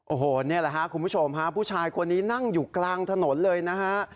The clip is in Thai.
โอ้โหนี่แหละครับคุณผู้ชมฮะผู้ชายคนนี้นั่งอยู่กลางถนนเลยนะฮะ